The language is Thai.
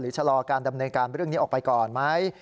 ชะลอการดำเนินการเรื่องนี้ออกไปก่อนไหม